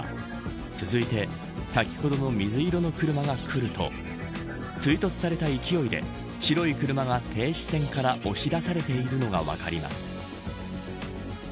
続いて先ほどの水色の車が来ると追突された勢いで白い車が停止線から押し出されているのが分かります。